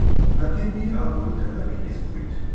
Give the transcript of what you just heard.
ნაგებია აგურითა და რიყის ქვით.